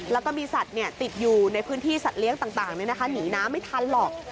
แล้วก็มีสัตว์ติดอยู่ในพื้นที่สัตว์เลี้ยงต่างหนีน้ำไม่ทันหรอก